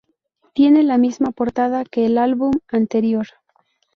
Tiene la misma portada que el álbum anterior.